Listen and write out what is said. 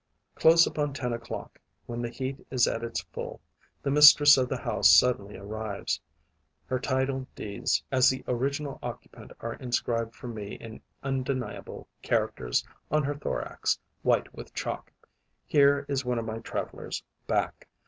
Close upon ten o'clock, when the heat is at its full, the mistress of the house suddenly arrives: her title deeds as the original occupant are inscribed for me in undeniable characters on her thorax white with chalk. Here is one of my travellers back.